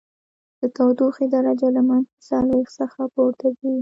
د تودوخې درجه له منفي څلوېښت څخه پورته ځي